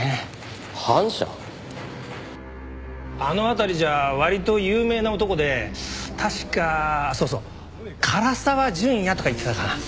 あの辺りじゃ割と有名な男で確かそうそう唐沢潤也とかいってたかな。